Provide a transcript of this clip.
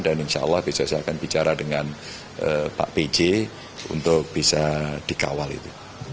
dan insya allah bisa saya akan bicara dengan pak pj untuk bisa dikawal itu